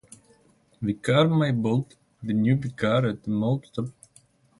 Vicar Maybold, the new vicar at Mellstock.